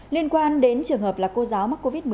liên quan đến trường hợp là cô giáo mắc covid một mươi chín